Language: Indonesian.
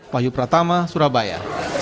wahyu pratama surabaya